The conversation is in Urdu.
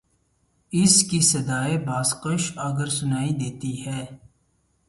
اس کی صدائے بازگشت اگر سنائی دیتی ہے۔